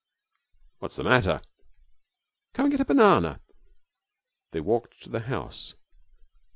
'What's the matter?' 'Come and get a banana.' They walked to the house.